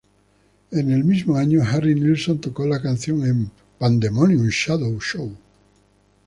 En el mismo año Harry Nilsson tocó la canción en "Pandemonium Shadow Show".